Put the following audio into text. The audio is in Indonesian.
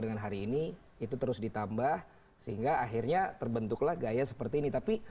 dengan hari ini itu terus ditambah sehingga akhirnya terbentuklah gaya seperti ini tapi